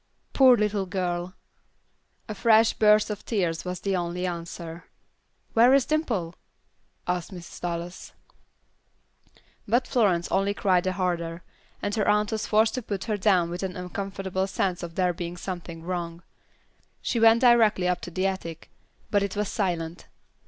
"Poor little girl!" A fresh burst of tears was the only answer. "Where is Dimple?" asked Mrs. Dallas. But Florence only cried the harder, and her aunt was forced to put her down with an uncomfortable sense of there being something wrong. She went directly up to the attic, but it was silent.